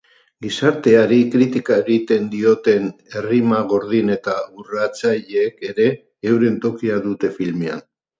Gizarteari kritika egiten dioten errima gordin eta urratzaileek ere euren tokia dute filmean.